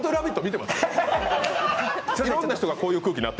いろんな人がこういう空気にあってる。